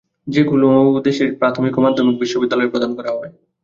যেগুলো দেশের প্রাথমিক ও মাধ্যমিক বিদ্যালয়ে প্রদান করা হবে।